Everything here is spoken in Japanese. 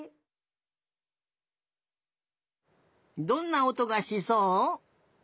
どんなおとがしそう？